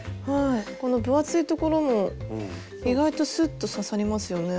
この分厚いところも意外とスッと刺さりますよね。